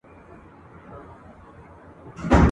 ورور شهید ورور یې قاتل دی د لالا په وینو سور دی !.